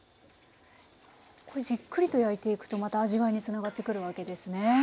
じっくりと焼いていくとまた味わいにつながってくるわけですね。